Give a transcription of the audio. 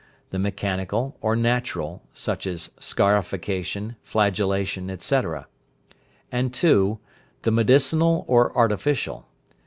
the mechanical or natural, such as scarification, flagellation, etc.; and 2., the medicinal or artificial.